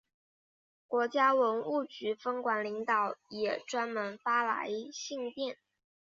国家文物局分管领导也专门发来唁电。